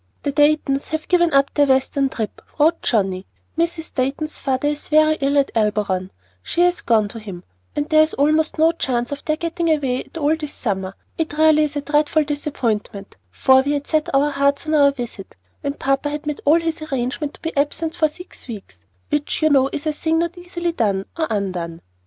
"The Daytons have given up their Western trip," wrote Johnnie. "Mrs. Dayton's father is very ill at Elberon; she has gone to him, and there is almost no chance of their getting away at all this summer. It really is a dreadful disappointment, for we had set our hearts on our visit, and papa had made all his arrangements to be absent for six weeks, which you know is a thing not easily done, or undone.